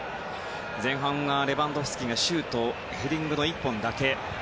前半、レバンドフスキはシュート、ヘディング１本だけ。